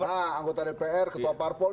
nah anggota dpr ketua parpol